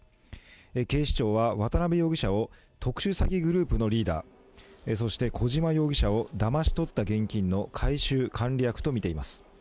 警視庁は渡辺容疑者を特殊詐欺グループのリーダー、そして小島容疑者をだまし取った現金の回収・管理役とみています。